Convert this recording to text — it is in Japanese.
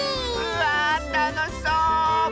わあたのしそう！